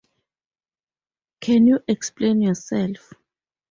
Can you explain yourself?